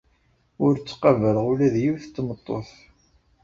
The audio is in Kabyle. Ur ttqabaleɣ ula d yiwet n tmeṭṭut.